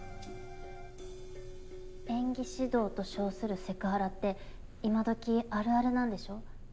演技指導と称するセクハラって今どきあるあるなんでしょ？